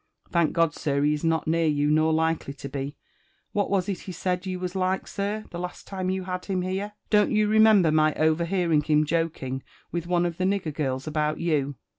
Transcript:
*' Thank God, sir, he is not near you, nor likely to be. What was it he said you was like, sir, the last time you had him here? Don't you remember my overhearing him joking with one of the nigger>girls about you?"